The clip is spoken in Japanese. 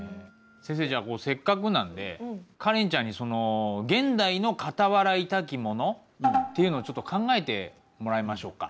先生じゃあせっかくなんでカレンちゃんにその現代のかたはらいたきものっていうのをちょっと考えてもらいましょうか。